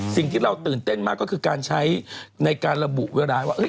สิ่งที่เราตื่นเต้นมากก็คือการใช้ในการระบุเวลาว่า